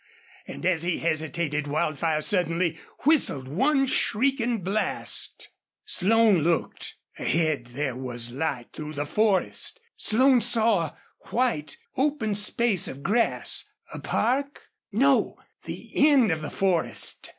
And as he hesitated Wildfire suddenly whistled one shrieking blast. Slone looked. Ahead there was light through the forest! Slone saw a white, open space of grass. A park? No the end of the forest!